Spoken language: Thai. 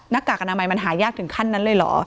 กากอนามัยมันหายากถึงขั้นนั้นเลยเหรอ